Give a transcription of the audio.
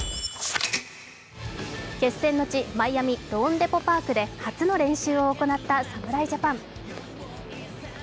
決戦の地、マイアミローンデポ・パークで初の練習を行った侍ジャパン。